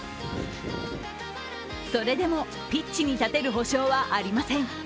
それでもピッチに立てる保証はありません。